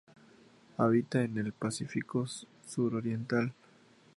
Habita en el Pacífico suroriental.